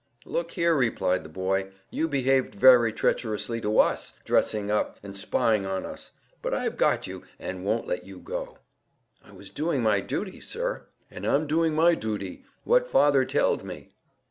"Look here," replied the boy, "you behaved very treacherously to us, dressing up, and spying on us; but I've got you, and won't let you go." "I was doing my duty, sir." "And I'm doing my dooty what father telled me."